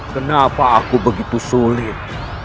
kenapa aku begitu sulit